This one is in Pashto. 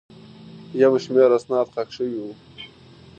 یو شمېر اسناد ښخ شوي وو.